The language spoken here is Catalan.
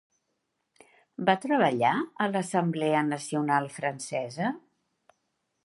Va treballar a l'Assemblea Nacional Francesa?